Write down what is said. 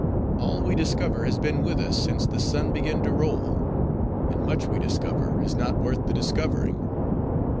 All we discover has been with us since the sun began to roll; and much we discover, is not worth the discovering.